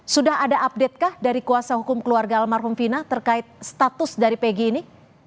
sudah ada update kah dari kuasa hukum keluarga almarhumah vina terkait status dari peggy ini